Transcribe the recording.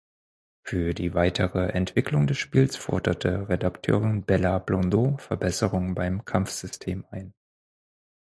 Für die weitere Entwicklung des Spiels forderte Redakteurin Bella Blondeau Verbesserungen beim Kampfsystem ein.